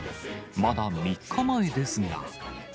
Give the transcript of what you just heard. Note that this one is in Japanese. まだ３日前ですが。